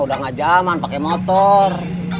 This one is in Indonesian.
udah gak jaman pake motor